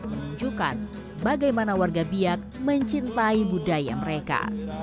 menunjukkan bagaimana warga biak mencintai budaya mereka